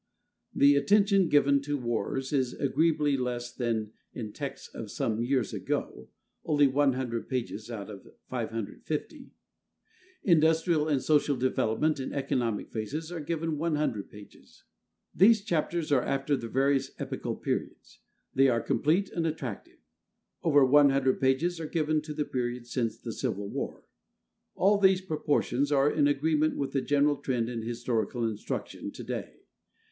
The attention given to wars is agreeably less than in texts of some years ago, only 100 pages out of 550. Industrial and social development, and economic phases are given 100 pages. These chapters are after the various epochal periods; they are complete and attractive. Over 100 pages are given to the period since the Civil War. All these proportions are in agreement with the general trend in historical instruction to day.